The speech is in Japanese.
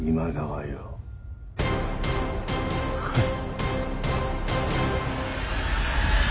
はい。